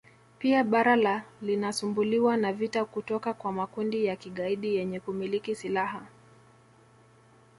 Pia bara la linasumbuliwa na vita kutoka kwa makundi ya kigaidi yenye kumiliki silaha